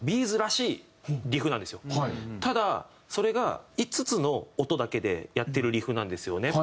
ただそれが５つの音だけでやってるリフなんですよね。